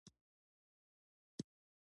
ارامي ښه ده.